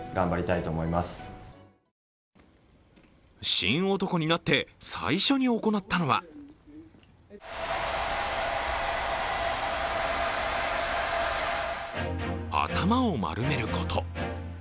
神男になって、最初に行ったのは頭を丸めること。